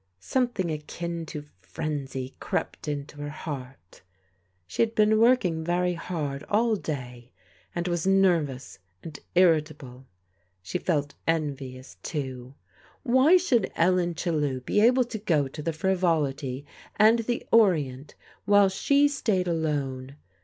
Something akin to frenzy crept into her heart. She had been working very hard all day, and was nen ous, and irritable. She felt envious, too. Why should Ellen Chellew be able to go to the Frivolity and the Orient, while she stayed alone?